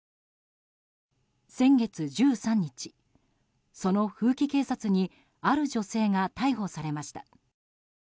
先月１３日その風紀警察にある女性が逮捕されました。